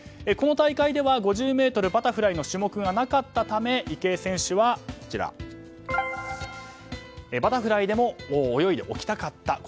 この大会では５０ｍバタフライの種目がなかったため、池江選手はバタフライでも泳いでおきたかった。